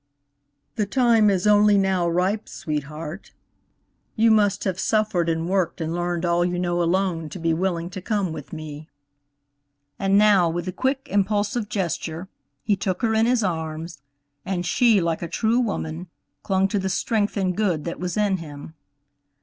"The time is only now ripe, sweetheart; you must have suffered and worked and learned all you know alone to be willing to come with me;" and now, with a quick, impulsive gesture, he took her in his arms; and she, like a true woman, clung to the strength and good that was in him.